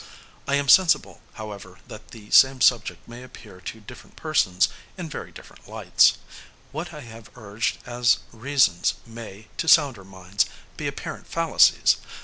I am sensible, however, that the same subject may appear to different persons in very different lights. What I have urged as reasons, may, to sounder minds, be apparent fallacies.